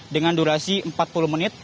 dengan durasi empat puluh menit